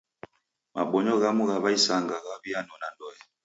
Mabonyo ghamu gha w'aisanga ghaw'ianona ndoe.